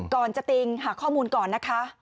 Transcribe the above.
ก่อนจะติงหาข้อมูลก่อนนะคะ